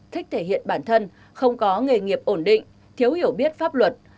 thích thể hiện bản thân không có nghề nghiệp ổn định thiếu hiểu biết pháp luật